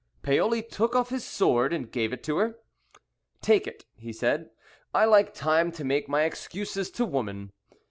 "Paoli took off his sword and gave it to her. "'Take it,' he said, 'I like time to make my excuses to woman.'"